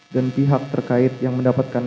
dan pihak terkait yang mendapatkan